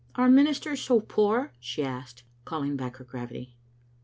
"Are ministers so poor?'* she asked, calling back her gravity.